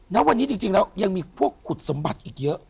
ณวันนี้จริงแล้วยังมีพวกขุดสมบัติอีกเยอะ